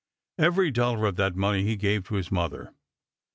Every dollar of that money he gave to his mother.